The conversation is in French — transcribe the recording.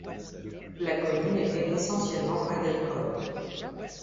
La commune était essentiellement agricole.